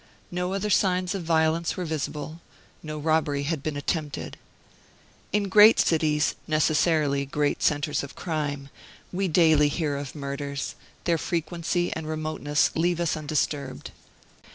No other signs of violence were visible; no robbery had been attempted. In great cities, necessarily great centers of crime, we daily hear of murders; their frequency and remoteness leave us undisturbed.